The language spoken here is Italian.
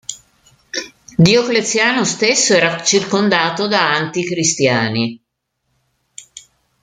Diocleziano stesso era circondato da anti-cristiani.